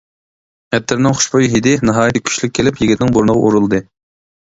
ئەتىرنىڭ خۇشبۇي ھىدى ناھايىتى كۈچلۈك كېلىپ يىگىتنىڭ بۇرنىغا ئۇرۇلدى.